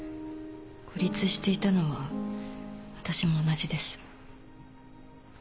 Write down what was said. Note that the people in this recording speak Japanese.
孤立していたのは私も同じです。